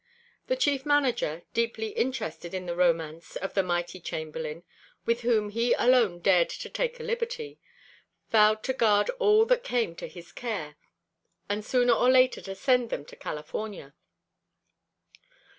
The Chief Manager, deeply interested in the romance of the mighty Chamberlain with whom he alone dared to take a liberty, vowed to guard all that came to his care and sooner or later to send them to California.